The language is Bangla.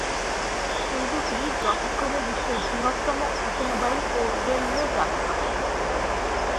এই দুটি যথাক্রমে বিশ্বের বৃহত্তম অটোমোবাইল ও রেলওয়ে জাদুঘর।